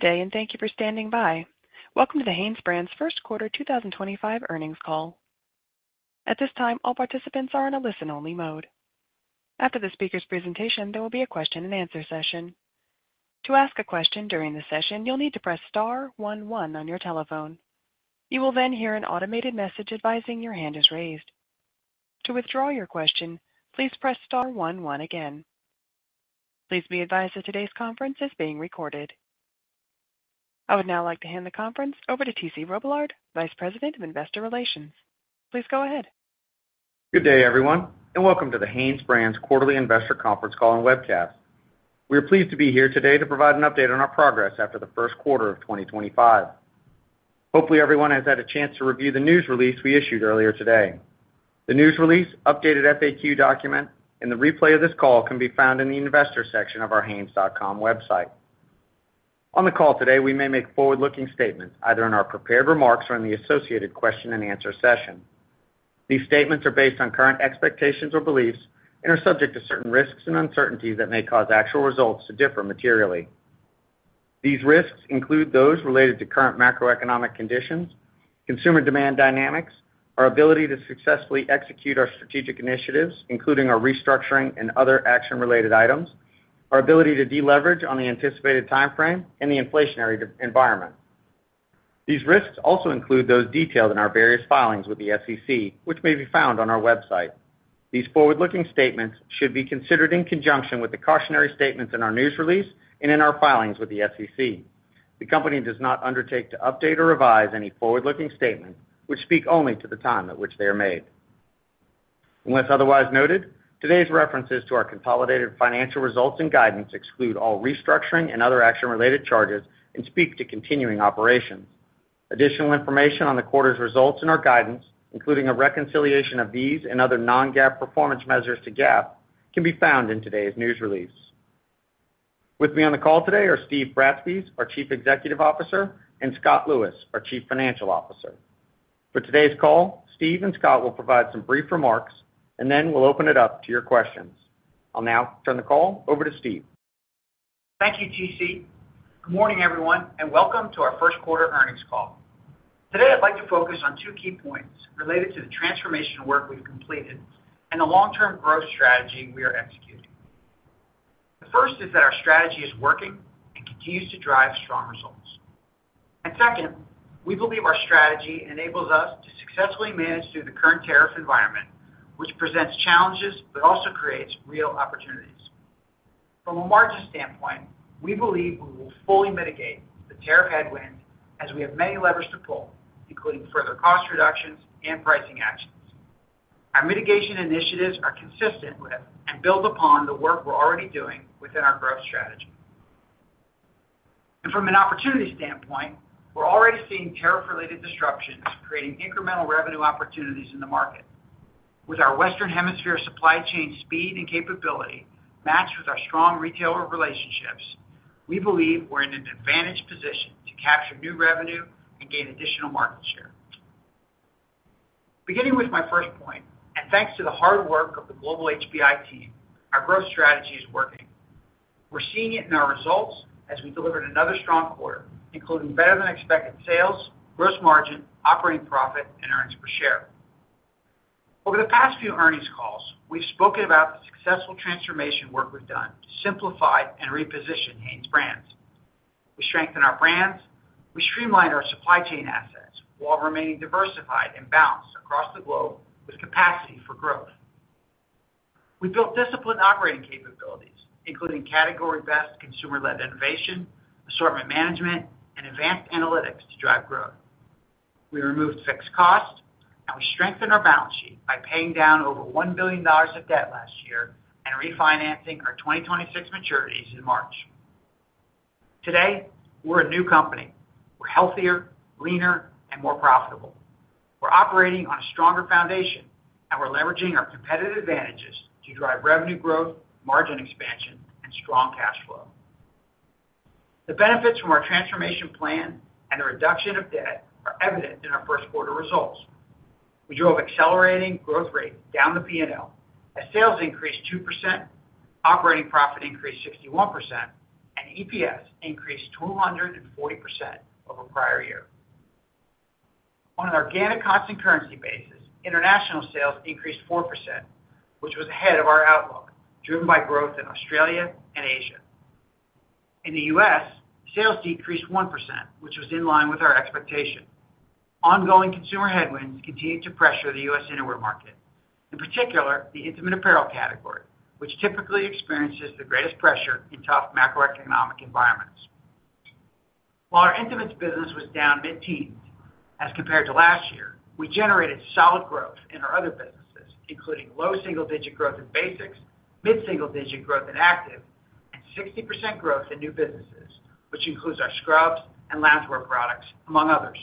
Day and thank you for standing by. Welcome to the HanesBrands first quarter 2025 earnings call. At this time, all participants are in a listen-only mode. After the speaker's presentation, there will be a question-and-answer session. To ask a question during the session, you'll need to press star one, one on your telephone. You will then hear an automated message advising your hand is raised. To withdraw your question, please press star one, one again. Please be advised that today's conference is being recorded. I would now like to hand the conference over to T.C. Robillard, Vice President of Investor Relations. Please go ahead. Good day, everyone, and welcome to the HanesBrands Quarterly Investor Conference Call and Webcast. We are pleased to be here today to provide an update on our progress after the first quarter of 2025. Hopefully, everyone has had a chance to review the news release we issued earlier today. The news release, updated FAQ document, and the replay of this call can be found in the investor section of our hanes.com website. On the call today, we may make forward-looking statements either in our prepared remarks or in the associated question-and-answer session. These statements are based on current expectations or beliefs and are subject to certain risks and uncertainties that may cause actual results to differ materially. These risks include those related to current macroeconomic conditions, consumer demand dynamics, our ability to successfully execute our strategic initiatives, including our restructuring and other action-related items, our ability to deleverage on the anticipated timeframe, and the inflationary environment. These risks also include those detailed in our various filings with the SEC, which may be found on our website. These forward-looking statements should be considered in conjunction with the cautionary statements in our news release and in our filings with the SEC. The company does not undertake to update or revise any forward-looking statements, which speak only to the time at which they are made. Unless otherwise noted, today's references to our consolidated financial results and guidance exclude all restructuring and other action-related charges and speak to continuing operations. Additional information on the quarter's results and our guidance, including a reconciliation of these and other non-GAAP performance measures to GAAP, can be found in today's news release. With me on the call today are Steve Bratspies, our Chief Executive Officer, and Scott Lewis, our Chief Financial Officer. For today's call, Steve and Scott will provide some brief remarks, and then we'll open it up to your questions. I'll now turn the call over to Steve. Thank you, T.C. Good morning, everyone, and welcome to our first quarter earnings call. Today, I'd like to focus on two key points related to the transformation work we've completed and the long-term growth strategy we are executing. The first is that our strategy is working and continues to drive strong results. Second, we believe our strategy enables us to successfully manage through the current tariff environment, which presents challenges but also creates real opportunities. From a margin standpoint, we believe we will fully mitigate the tariff headwinds as we have many levers to pull, including further cost reductions and pricing actions. Our mitigation initiatives are consistent with and build upon the work we're already doing within our growth strategy. From an opportunity standpoint, we're already seeing tariff-related disruptions creating incremental revenue opportunities in the market. With our Western Hemisphere supply chain speed and capability matched with our strong retailer relationships, we believe we're in an advantaged position to capture new revenue and gain additional market share. Beginning with my first point, and thanks to the hard work of the global HBI team, our growth strategy is working. We're seeing it in our results as we delivered another strong quarter, including better-than-expected sales, gross margin, operating profit, and earnings per share. Over the past few earnings calls, we've spoken about the successful transformation work we've done to simplify and reposition HanesBrands. We strengthened our brands. We streamlined our supply chain assets while remaining diversified and balanced across the globe with capacity for growth. We built disciplined operating capabilities, including category-best consumer-led innovation, assortment management, and advanced analytics to drive growth. We removed fixed costs, and we strengthened our balance sheet by paying down over $1 billion of debt last year and refinancing our 2026 maturities in March. Today, we're a new company. We're healthier, leaner, and more profitable. We're operating on a stronger foundation, and we're leveraging our competitive advantages to drive revenue growth, margin expansion, and strong cash flow. The benefits from our transformation plan and the reduction of debt are evident in our first quarter results. We drove accelerating growth rates down the P&L as sales increased 2%, operating profit increased 61%, and EPS increased 240% over prior year. On an organic constant currency basis, international sales increased 4%, which was ahead of our outlook, driven by growth in Australia and Asia. In the U.S., sales decreased 1%, which was in line with our expectation. Ongoing consumer headwinds continued to pressure the U.S. innerwear market, in particular the intimate apparel category, which typically experiences the greatest pressure in tough macroeconomic environments. While our intimate business was down mid-teens as compared to last year, we generated solid growth in our other businesses, including low single-digit growth in basics, mid-single-digit growth in active, and 60% growth in new businesses, which includes our scrubs and loungewear products, among others.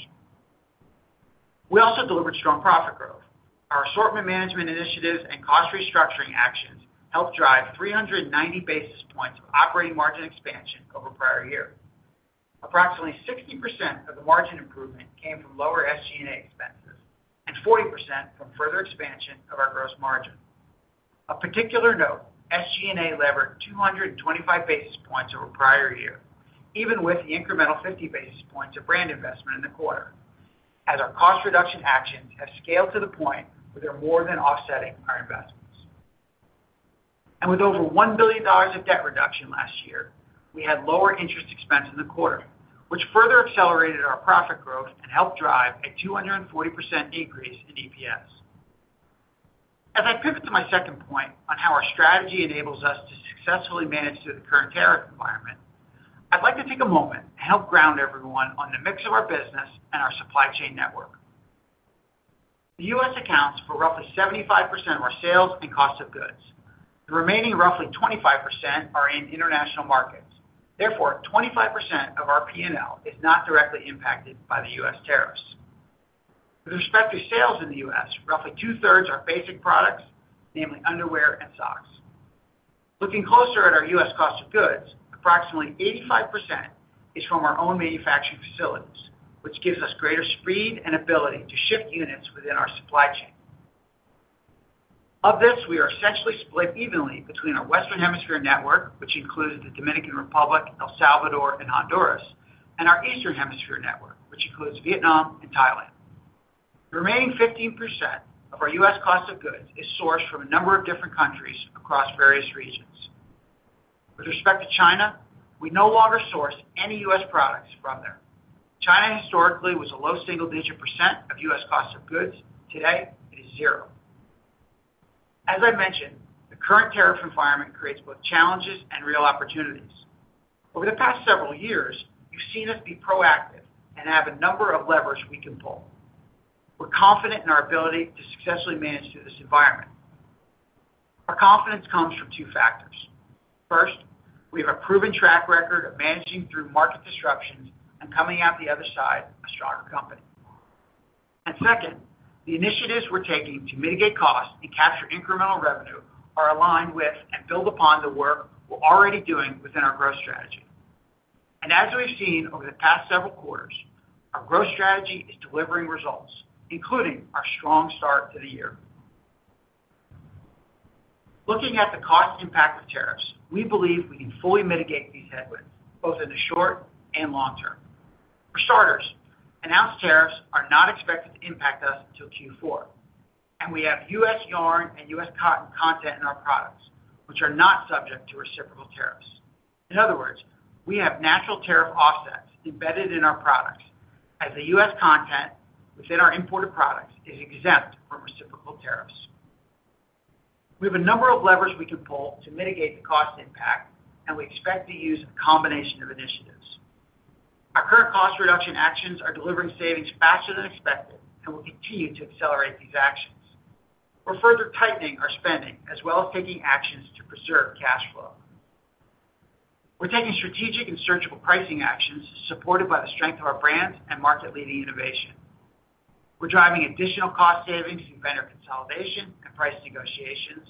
We also delivered strong profit growth. Our assortment management initiatives and cost restructuring actions helped drive 390 basis points of operating margin expansion over prior year. Approximately 60% of the margin improvement came from lower SG&A expenses and 40% from further expansion of our gross margin. Of particular note, SG&A levered 225 basis points over prior year, even with the incremental 50 basis points of brand investment in the quarter, as our cost reduction actions have scaled to the point where they're more than offsetting our investments. With over $1 billion of debt reduction last year, we had lower interest expense in the quarter, which further accelerated our profit growth and helped drive a 240% increase in EPS. As I pivot to my second point on how our strategy enables us to successfully manage through the current tariff environment, I'd like to take a moment and help ground everyone on the mix of our business and our supply chain network. The U.S. accounts for roughly 75% of our sales and cost of goods. The remaining roughly 25% are in international markets. Therefore, 25% of our P&L is not directly impacted by the U.S. tariffs. With respect to sales in the U.S., roughly two-thirds are basic products, namely underwear and socks. Looking closer at our U.S. cost of goods, approximately 85% is from our own manufacturing facilities, which gives us greater speed and ability to shift units within our supply chain. Of this, we are essentially split evenly between our Western Hemisphere network, which includes the Dominican Republic, El Salvador, and Honduras, and our Eastern Hemisphere network, which includes Vietnam and Thailand. The remaining 15% of our U.S. cost of goods is sourced from a number of different countries across various regions. With respect to China, we no longer source any U.S. products from there. China historically was a low single-digit percent of U.S. cost of goods. Today, it is zero. As I mentioned, the current tariff environment creates both challenges and real opportunities. Over the past several years, we've seen us be proactive and have a number of levers we can pull. We're confident in our ability to successfully manage through this environment. Our confidence comes from two factors. First, we have a proven track record of managing through market disruptions and coming out the other side a stronger company. Second, the initiatives we're taking to mitigate costs and capture incremental revenue are aligned with and build upon the work we're already doing within our growth strategy. As we've seen over the past several quarters, our growth strategy is delivering results, including our strong start to the year. Looking at the cost impact of tariffs, we believe we can fully mitigate these headwinds both in the short and long term. For starters, announced tariffs are not expected to impact us until Q4, and we have US yarn and US cotton content in our products, which are not subject to reciprocal tariffs. In other words, we have natural tariff offsets embedded in our products as the US content within our imported products is exempt from reciprocal tariffs. We have a number of levers we can pull to mitigate the cost impact, and we expect to use a combination of initiatives. Our current cost reduction actions are delivering savings faster than expected and will continue to accelerate these actions. We're further tightening our spending as well as taking actions to preserve cash flow. We're taking strategic and surgical pricing actions supported by the strength of our brands and market-leading innovation. We're driving additional cost savings through vendor consolidation and price negotiations.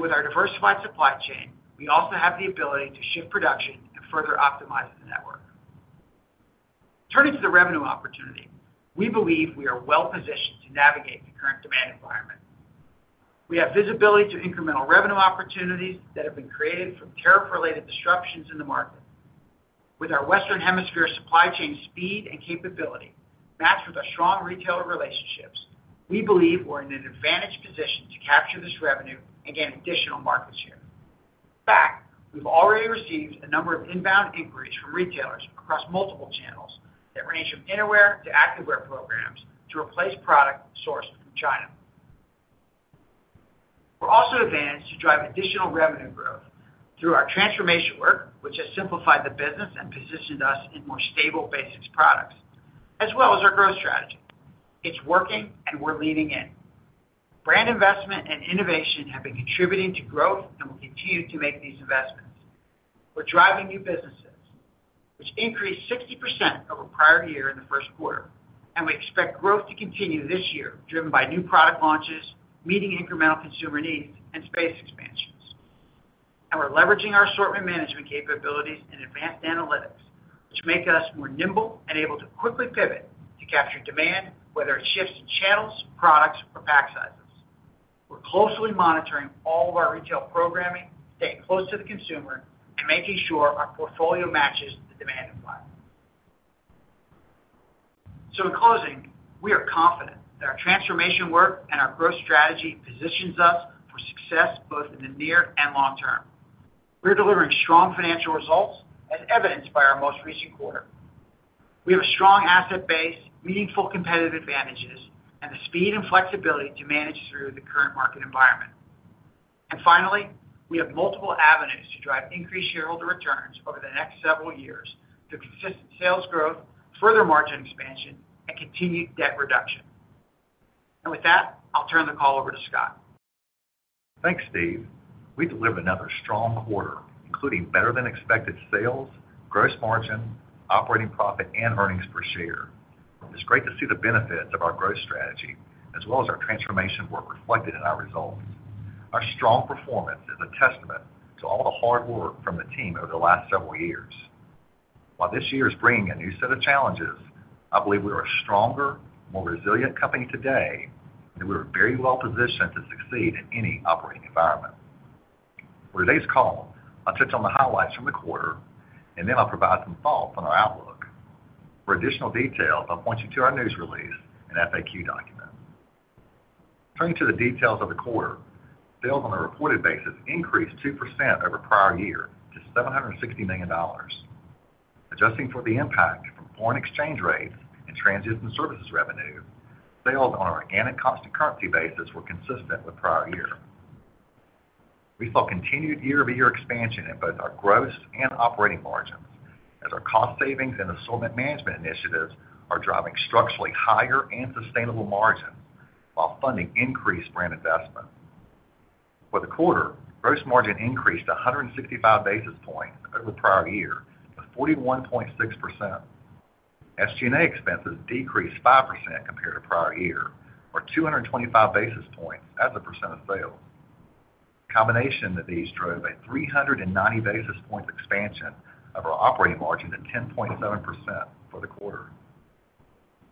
With our diversified supply chain, we also have the ability to shift production and further optimize the network. Turning to the revenue opportunity, we believe we are well-positioned to navigate the current demand environment. We have visibility to incremental revenue opportunities that have been created from tariff-related disruptions in the market. With our Western Hemisphere supply chain speed and capability matched with our strong retailer relationships, we believe we're in an advantaged position to capture this revenue and gain additional market share. In fact, we've already received a number of inbound inquiries from retailers across multiple channels that range from innerwear to activewear programs to replace product sourced from China. We're also advancing to drive additional revenue growth through our transformation work, which has simplified the business and positioned us in more stable basics products, as well as our growth strategy. It's working, and we're leaning in. Brand investment and innovation have been contributing to growth and will continue to make these investments. We are driving new businesses, which increased 60% over prior year in the first quarter, and we expect growth to continue this year, driven by new product launches, meeting incremental consumer needs and space expansions. We are leveraging our assortment management capabilities and advanced analytics, which make us more nimble and able to quickly pivot to capture demand, whether it shifts in channels, products, or pack sizes. We are closely monitoring all of our retail programming, staying close to the consumer, and making sure our portfolio matches the demand applied. In closing, we are confident that our transformation work and our growth strategy positions us for success both in the near and long term. We are delivering strong financial results, as evidenced by our most recent quarter. We have a strong asset base, meaningful competitive advantages, and the speed and flexibility to manage through the current market environment. Finally, we have multiple avenues to drive increased shareholder returns over the next several years through consistent sales growth, further margin expansion, and continued debt reduction. With that, I'll turn the call over to Scott. Thanks, Steve. We delivered another strong quarter, including better-than-expected sales, gross margin, operating profit, and earnings per share. It's great to see the benefits of our growth strategy as well as our transformation work reflected in our results. Our strong performance is a testament to all the hard work from the team over the last several years. While this year is bringing a new set of challenges, I believe we are a stronger, more resilient company today, and we are very well-positioned to succeed in any operating environment. For today's call, I'll touch on the highlights from the quarter, and then I'll provide some thoughts on our outlook. For additional details, I'll point you to our news release and FAQ document. Turning to the details of the quarter, sales on a reported basis increased 2% over prior year to $760 million. Adjusting for the impact from foreign exchange rates and transit and services revenue, sales on an organic constant currency basis were consistent with prior year. We saw continued year-over-year expansion in both our gross and operating margins as our cost savings and assortment management initiatives are driving structurally higher and sustainable margins while funding increased brand investment. For the quarter, gross margin increased 165 basis points over prior year to 41.6%. SG&A expenses decreased 5% compared to prior year, or 225 basis points as a percent of sales. The combination of these drove a 390 basis points expansion of our operating margin to 10.7% for the quarter.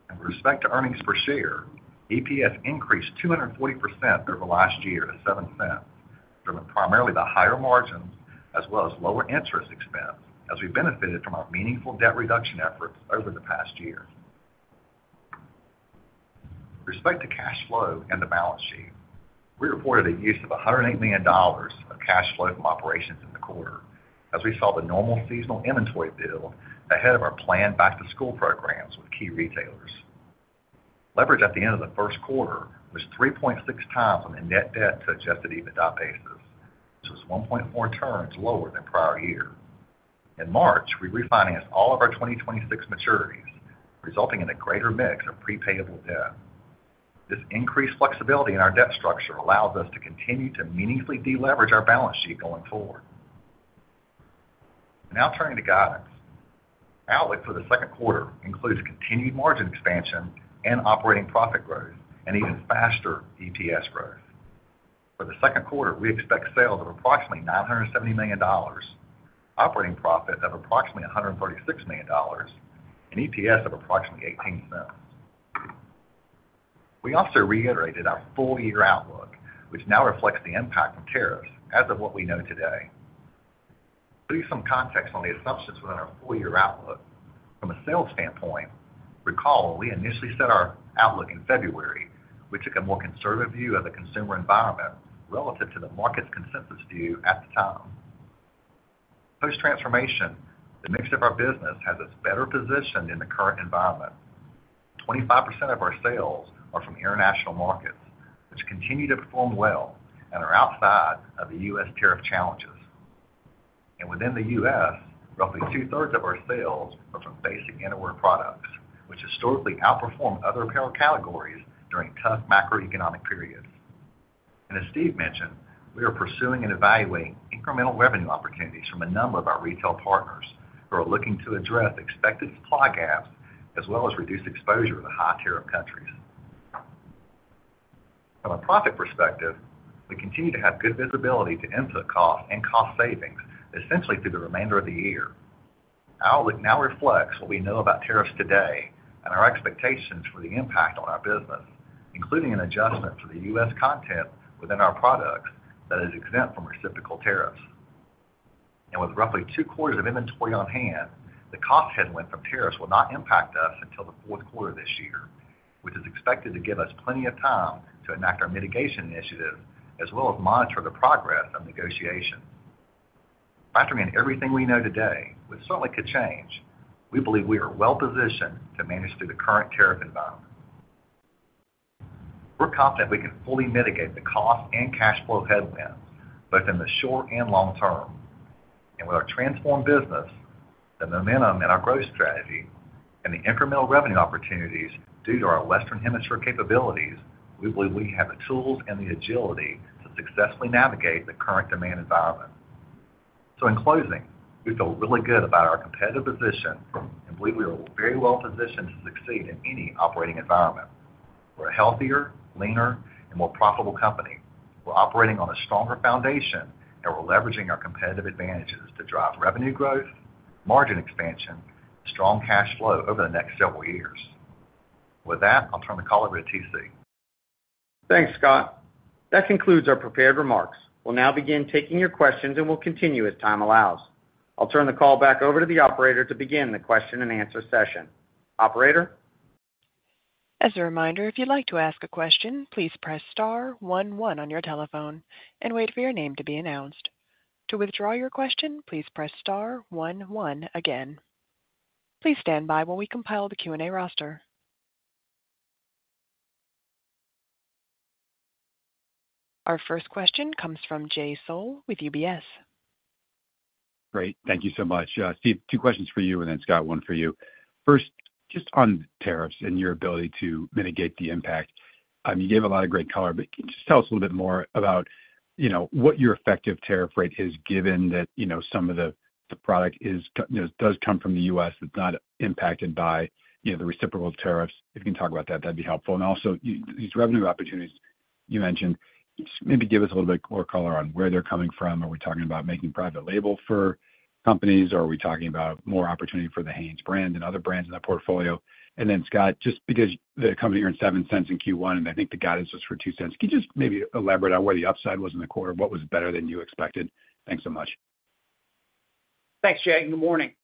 With respect to earnings per share, EPS increased 240% over last year to $0.07, driven primarily by higher margins as well as lower interest expense as we benefited from our meaningful debt reduction efforts over the past year. With respect to cash flow and the balance sheet, we reported a use of $108 million of cash flow from operations in the quarter as we saw the normal seasonal inventory build ahead of our planned back-to-school programs with key retailers. Leverage at the end of the first quarter was 3.6 times on the net debt to Adjusted EBITDA basis, which was 1.4 turns lower than prior year. In March, we refinanced all of our 2026 maturities, resulting in a greater mix of prepayable debt. This increased flexibility in our debt structure allows us to continue to meaningfully deleverage our balance sheet going forward. Now turning to guidance, our outlook for the second quarter includes continued margin expansion and operating profit growth and even faster EPS growth. For the second quarter, we expect sales of approximately $970 million, operating profit of approximately $136 million, and EPS of approximately $0.18. We also reiterated our full-year outlook, which now reflects the impact of tariffs as of what we know today. To give you some context on the assumptions within our full-year outlook, from a sales standpoint, recall we initially set our outlook in February. We took a more conservative view of the consumer environment relative to the market's consensus view at the time. Post-transformation, the mix of our business has us better positioned in the current environment. 25% of our sales are from international markets, which continue to perform well and are outside of the U.S. tariff challenges. Within the U.S., roughly two-thirds of our sales are from basic innerwear products, which historically outperformed other apparel categories during tough macroeconomic periods. As Steve mentioned, we are pursuing and evaluating incremental revenue opportunities from a number of our retail partners who are looking to address expected supply gaps as well as reduce exposure to high-tariff countries. From a profit perspective, we continue to have good visibility to input costs and cost savings, essentially through the remainder of the year. Our outlook now reflects what we know about tariffs today and our expectations for the impact on our business, including an adjustment for the U.S. content within our products that is exempt from reciprocal tariffs. With roughly two-quarters of inventory on hand, the cost headwind from tariffs will not impact us until the fourth quarter of this year, which is expected to give us plenty of time to enact our mitigation initiatives as well as monitor the progress of negotiations. Factoring in everything we know today, which certainly could change, we believe we are well-positioned to manage through the current tariff environment. We're confident we can fully mitigate the cost and cash flow headwinds both in the short and long term. With our transformed business, the momentum in our growth strategy, and the incremental revenue opportunities due to our Western Hemisphere capabilities, we believe we have the tools and the agility to successfully navigate the current demand environment. In closing, we feel really good about our competitive position and believe we are very well-positioned to succeed in any operating environment. We're a healthier, leaner, and more profitable company. We're operating on a stronger foundation, and we're leveraging our competitive advantages to drive revenue growth, margin expansion, and strong cash flow over the next several years. With that, I'll turn the call over to TC. Thanks, Scott. That concludes our prepared remarks. We'll now begin taking your questions, and we'll continue as time allows. I'll turn the call back over to the operator to begin the question-and-answer session. Operator. As a reminder, if you'd like to ask a question, please press star one, one on your telephone and wait for your name to be announced. To withdraw your question, please press star one, one again. Please stand by while we compile the Q&A roster. Our first question comes from Jay Sole with UBS. Great. Thank you so much. Steve, two questions for you, and then Scott, one for you. First, just on tariffs and your ability to mitigate the impact. You gave a lot of great color, but can you just tell us a little bit more about what your effective tariff rate is given that some of the product does come from the U.S. that's not impacted by the reciprocal tariffs? If you can talk about that, that'd be helpful. Also, these revenue opportunities you mentioned, just maybe give us a little bit more color on where they're coming from. Are we talking about making private label for companies, or are we talking about more opportunity for the HanesBrands and other brands in that portfolio? Scott, just because the company earned $0.07 in Q1, and I think the guidance was for $0.02, can you just maybe elaborate on where the upside was in the quarter? What was better than you expected? Thanks so much. Thanks, Jay. Good morning.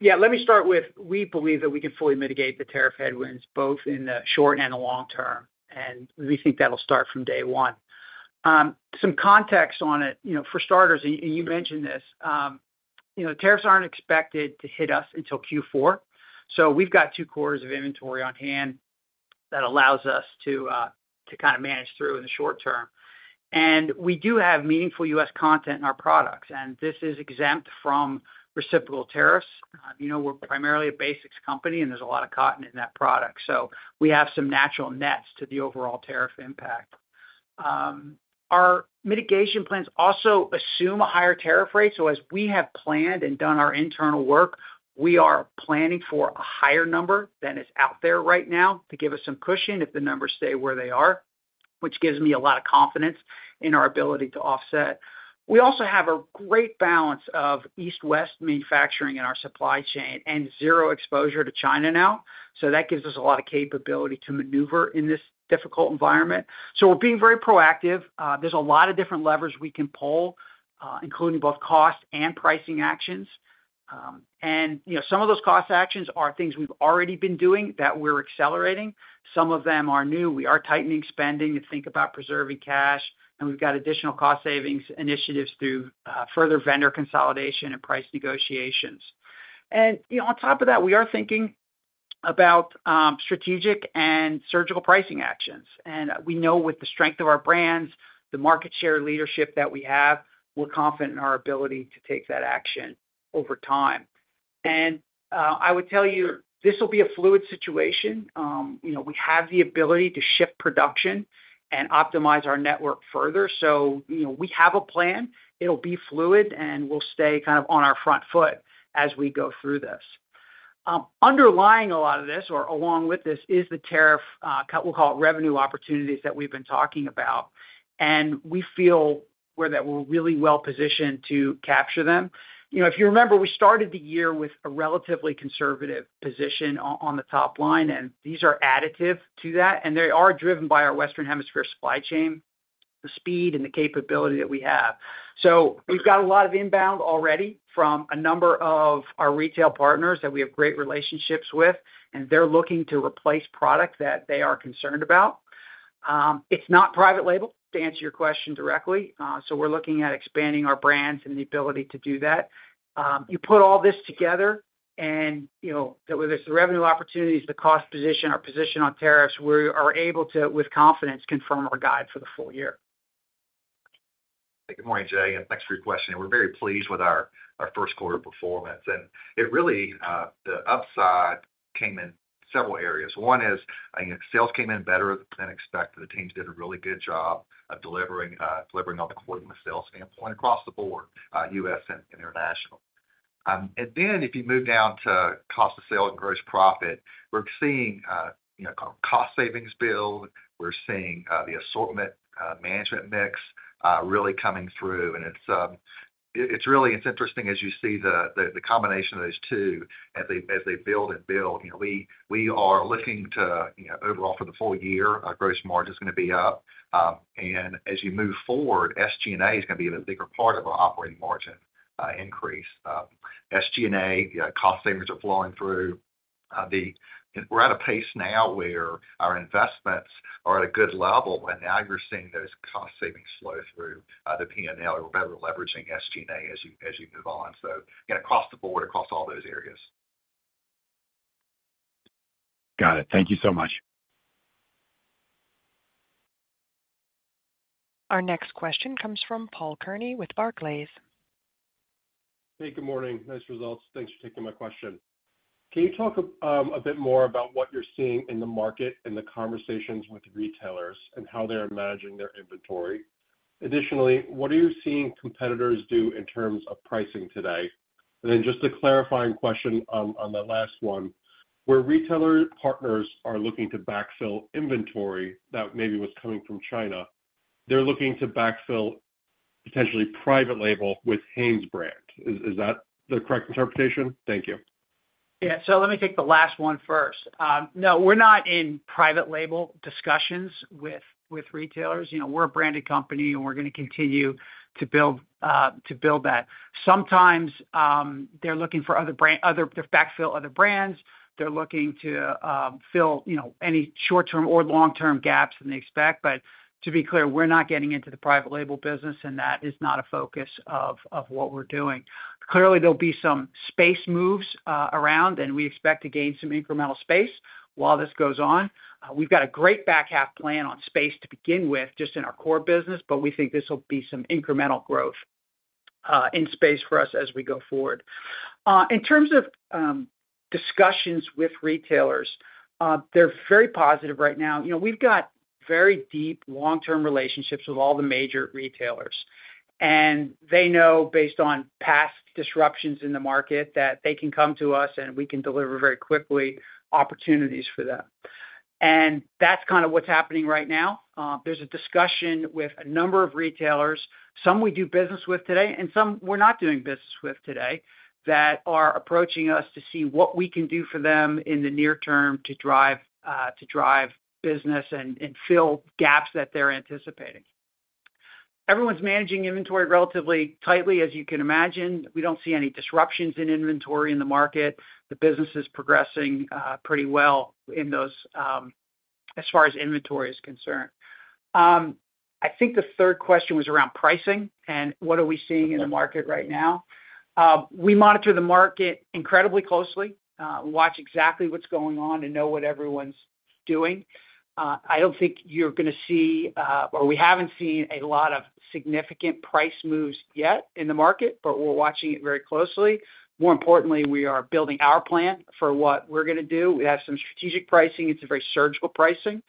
Yeah, let me start with we believe that we can fully mitigate the tariff headwinds both in the short and the long term, and we think that'll start from day one. Some context on it, for starters, and you mentioned this, tariffs aren't expected to hit us until Q4. We have two quarters of inventory on hand that allows us to kind of manage through in the short term. We do have meaningful US content in our products, and this is exempt from reciprocal tariffs. We're primarily a basics company, and there's a lot of cotton in that product. We have some natural nets to the overall tariff impact. Our mitigation plans also assume a higher tariff rate. As we have planned and done our internal work, we are planning for a higher number than is out there right now to give us some cushion if the numbers stay where they are, which gives me a lot of confidence in our ability to offset. We also have a great balance of east-west manufacturing in our supply chain and zero exposure to China now. That gives us a lot of capability to maneuver in this difficult environment. We are being very proactive. There are a lot of different levers we can pull, including both cost and pricing actions. Some of those cost actions are things we have already been doing that we are accelerating. Some of them are new. We are tightening spending to think about preserving cash, and we have got additional cost savings initiatives through further vendor consolidation and price negotiations. On top of that, we are thinking about strategic and surgical pricing actions. We know with the strength of our brands, the market share leadership that we have, we're confident in our ability to take that action over time. I would tell you, this will be a fluid situation. We have the ability to shift production and optimize our network further. We have a plan. It'll be fluid, and we'll stay kind of on our front foot as we go through this. Underlying a lot of this, or along with this, is the tariff, we'll call it revenue opportunities that we've been talking about. We feel that we're really well-positioned to capture them. If you remember, we started the year with a relatively conservative position on the top line, and these are additive to that. They are driven by our Western Hemisphere supply chain, the speed, and the capability that we have. We have a lot of inbound already from a number of our retail partners that we have great relationships with, and they are looking to replace products that they are concerned about. It is not private label, to answer your question directly. We are looking at expanding our brands and the ability to do that. You put all this together, and whether it is the revenue opportunities, the cost position, our position on tariffs, we are able to, with confidence, confirm our guide for the full year. Good morning, Jay. Thanks for your question. We're very pleased with our first quarter performance. Really, the upside came in several areas. One is sales came in better than expected. The teams did a really good job of delivering on the quarterly sales standpoint across the board, U.S. and international. If you move down to cost of sale and gross profit, we're seeing cost savings build. We're seeing the assortment management mix really coming through. It's really interesting as you see the combination of those two as they build and build. We are looking to, overall, for the full year, our gross margin is going to be up. As you move forward, SG&A is going to be a bigger part of our operating margin increase. SG&A cost savings are flowing through. We're at a pace now where our investments are at a good level, and now you're seeing those cost savings flow through the P&L. We're better leveraging SG&A as you move on. Across the board, across all those areas. Got it. Thank you so much. Our next question comes from Paul Kearney with Barclays. Hey, good morning. Nice results. Thanks for taking my question. Can you talk a bit more about what you're seeing in the market and the conversations with retailers and how they're managing their inventory? Additionally, what are you seeing competitors do in terms of pricing today? Just a clarifying question on the last one. Where retailer partners are looking to backfill inventory that maybe was coming from China, they're looking to backfill potentially private label with HanesBrands. Is that the correct interpretation? Thank you. Yeah. Let me take the last one first. No, we're not in private label discussions with retailers. We're a branded company, and we're going to continue to build that. Sometimes they're looking for others to backfill other brands. They're looking to fill any short-term or long-term gaps that they expect. To be clear, we're not getting into the private label business, and that is not a focus of what we're doing. Clearly, there will be some space moves around, and we expect to gain some incremental space while this goes on. We've got a great back half plan on space to begin with just in our core business, but we think this will be some incremental growth in space for us as we go forward. In terms of discussions with retailers, they're very positive right now. We've got very deep long-term relationships with all the major retailers. They know, based on past disruptions in the market, that they can come to us, and we can deliver very quickly opportunities for them. That is kind of what is happening right now. There is a discussion with a number of retailers, some we do business with today, and some we are not doing business with today, that are approaching us to see what we can do for them in the near term to drive business and fill gaps that they are anticipating. Everyone is managing inventory relatively tightly, as you can imagine. We do not see any disruptions in inventory in the market. The business is progressing pretty well as far as inventory is concerned. I think the third question was around pricing and what we are seeing in the market right now. We monitor the market incredibly closely. We watch exactly what is going on and know what everyone is doing. I don't think you're going to see, or we haven't seen, a lot of significant price moves yet in the market, but we're watching it very closely. More importantly, we are building our plan for what we're going to do. We have some strategic pricing. It's a very surgical pricing.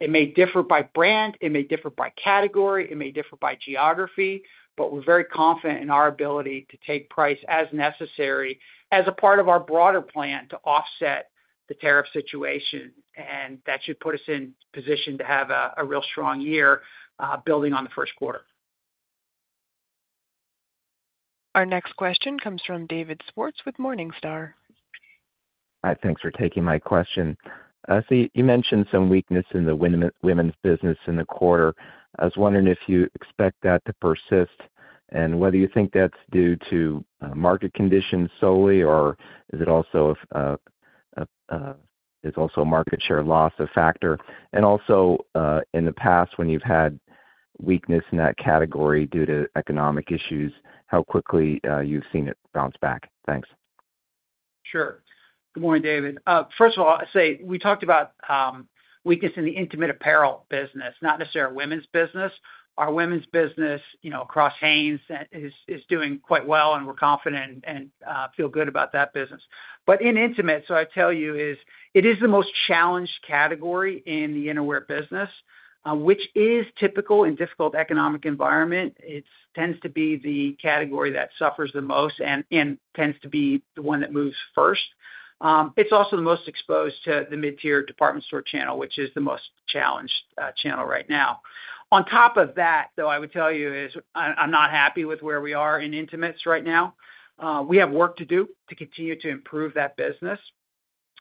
It may differ by brand. It may differ by category. It may differ by geography. But we're very confident in our ability to take price as necessary as a part of our broader plan to offset the tariff situation. That should put us in position to have a real strong year building on the first quarter. Our next question comes from David Swartz with Morningstar. Hi. Thanks for taking my question. You mentioned some weakness in the women's business in the quarter. I was wondering if you expect that to persist and whether you think that's due to market conditions solely, or is it also a market share loss factor? Also, in the past, when you've had weakness in that category due to economic issues, how quickly you've seen it bounce back? Thanks. Sure. Good morning, David. First of all, I say we talked about weakness in the intimate apparel business, not necessarily our women's business. Our women's business across Hanes is doing quite well, and we're confident and feel good about that business. In intimate, I tell you, it is the most challenged category in the innerwear business, which is typical in a difficult economic environment. It tends to be the category that suffers the most and tends to be the one that moves first. It's also the most exposed to the mid-tier department store channel, which is the most challenged channel right now. On top of that, I would tell you I am not happy with where we are in intimates right now. We have work to do to continue to improve that business.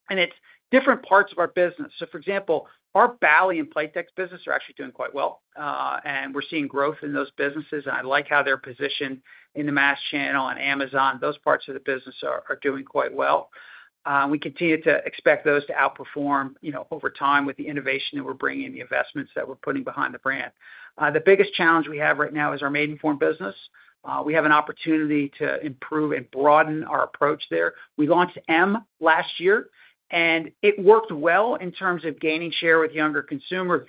It's different parts of our business. For example, our Bali and Playtex business are actually doing quite well. We are seeing growth in those businesses. I like how they are positioned in the mass channel on Amazon. Those parts of the business are doing quite well. We continue to expect those to outperform over time with the innovation that we are bringing and the investments that we are putting behind the brand. The biggest challenge we have right now is our Maidenform business. We have an opportunity to improve and broaden our approach there. We launched M last year, and it worked well in terms of gaining share with younger consumers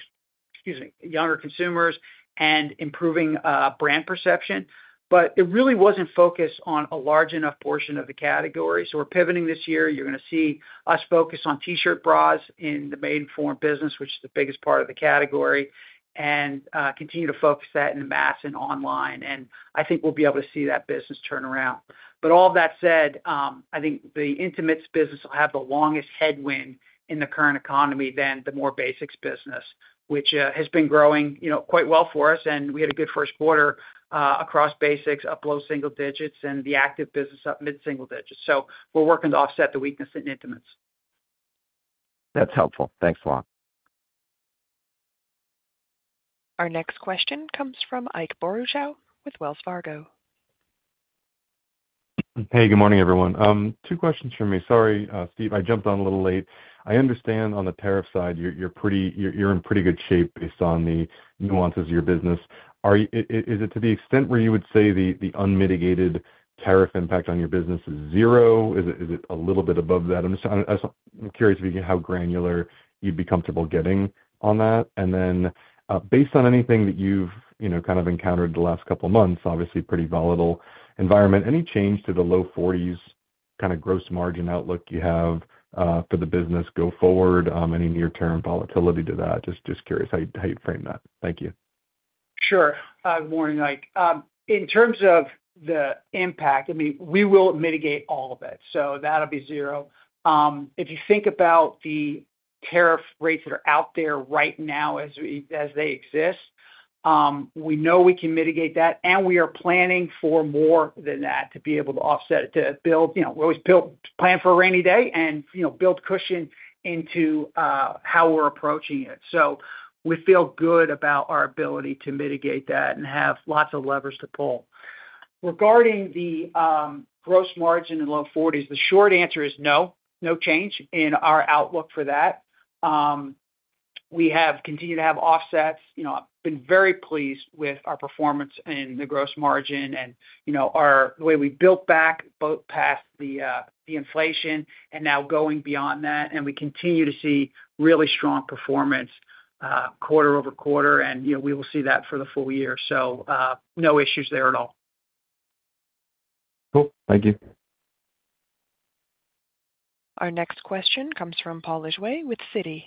and improving brand perception. It really was not focused on a large enough portion of the category. We are pivoting this year. You're going to see us focus on T-Shirt Bras in the Maidenform business, which is the biggest part of the category, and continue to focus that in the mass and online. I think we'll be able to see that business turn around. All of that said, I think the intimates business will have the longest headwind in the current economy than the more basics business, which has been growing quite well for us. We had a good first quarter across basics, up low single digits, and the active business up mid-single digits. We're working to offset the weakness in intimates. That's helpful. Thanks a lot. Our next question comes from Ike Boruchow with Wells Fargo. Hey, good morning, everyone. Two questions for me. Sorry, Steve. I jumped on a little late. I understand on the tariff side, you're in pretty good shape based on the nuances of your business. Is it to the extent where you would say the unmitigated tariff impact on your business is zero? Is it a little bit above that? I'm curious how granular you'd be comfortable getting on that. Then based on anything that you've kind of encountered the last couple of months, obviously pretty volatile environment, any change to the low 40s kind of gross margin outlook you have for the business go forward? Any near-term volatility to that? Just curious how you'd frame that. Thank you. Sure. Good morning, Ike. In terms of the impact, I mean, we will mitigate all of it. That will be zero. If you think about the tariff rates that are out there right now as they exist, we know we can mitigate that. We are planning for more than that to be able to offset it, to build. We always plan for a rainy day and build cushion into how we're approaching it. We feel good about our ability to mitigate that and have lots of levers to pull. Regarding the gross margin in low 40s, the short answer is no. No change in our outlook for that. We have continued to have offsets. I've been very pleased with our performance in the gross margin and the way we built back both past the inflation and now going beyond that. We continue to see really strong performance quarter over quarter. We will see that for the full year. No issues there at all. Cool. Thank you. Our next question comes from Paul Lejuez with Citi.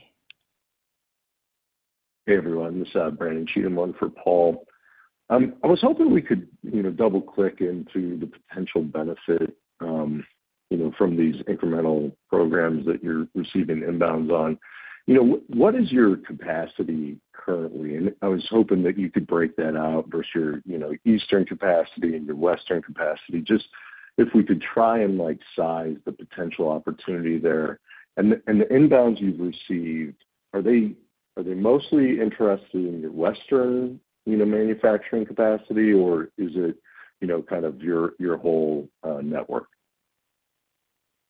Hey, everyone. This is Brandon Cheatham for Paul. I was hoping we could double-click into the potential benefit from these incremental programs that you're receiving inbounds on. What is your capacity currently? I was hoping that you could break that out versus your Eastern capacity and your Western capacity. Just if we could try and size the potential opportunity there. The inbounds you've received, are they mostly interested in your Western manufacturing capacity, or is it kind of your whole network?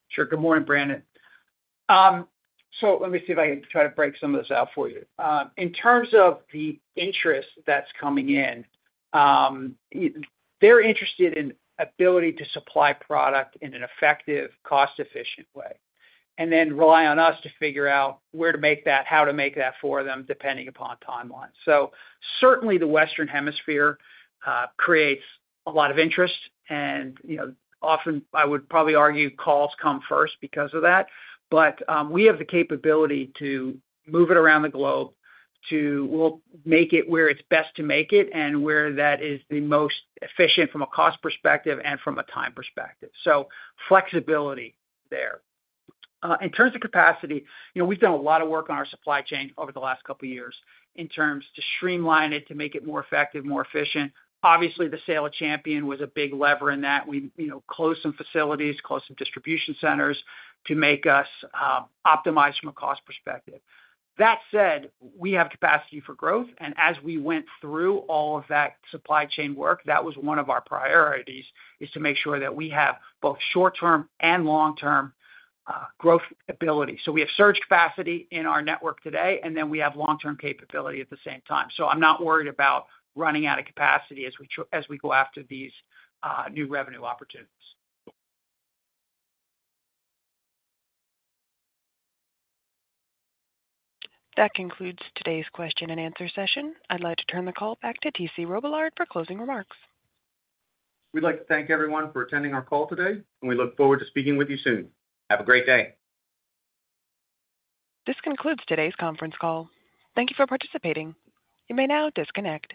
Sure. Good morning, Brandon. Let me see if I can try to break some of this out for you. In terms of the interest that's coming in, they're interested in the ability to supply product in an effective, cost-efficient way, and then rely on us to figure out where to make that, how to make that for them, depending upon timelines. Certainly, the Western Hemisphere creates a lot of interest. I would probably argue calls come first because of that. We have the capability to move it around the globe to make it where it's best to make it and where that is the most efficient from a cost perspective and from a time perspective. Flexibility there. In terms of capacity, we've done a lot of work on our supply chain over the last couple of years in terms to streamline it, to make it more effective, more efficient. Obviously, the sale of Champion was a big lever in that. We closed some facilities, closed some distribution centers to make us optimize from a cost perspective. That said, we have capacity for growth. As we went through all of that supply chain work, that was one of our priorities, is to make sure that we have both short-term and long-term growth ability. We have surge capacity in our network today, and then we have long-term capability at the same time. I'm not worried about running out of capacity as we go after these new revenue opportunities. That concludes today's question and answer session. I'd like to turn the call back to T.C. Robillard for closing remarks. We'd like to thank everyone for attending our call today. We look forward to speaking with you soon. Have a great day. This concludes today's conference call. Thank you for participating. You may now disconnect.